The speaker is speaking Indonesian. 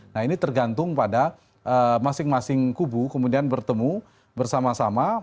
nah ini tergantung pada masing masing kubu kemudian bertemu bersama sama